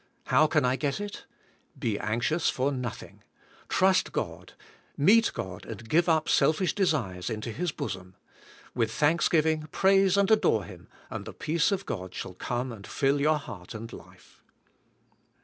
How can I get it? '* Be anxious for nothing ." Trust God. Meet God and give up selfish desires into His bosom. With thanksgiving praise and adore Him and the peace of God shall come and fill your heart and life.